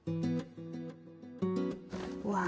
うわ。